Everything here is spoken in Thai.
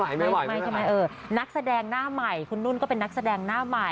อย่างดัง